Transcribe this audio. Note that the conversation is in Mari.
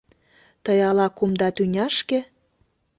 Тый ала кумда тӱняшке